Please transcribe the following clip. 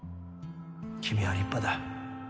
君は立派だ。